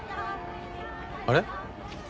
あれ？